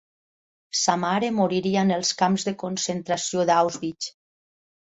Sa mare moriria en els camps de concentració d'Auschwitz.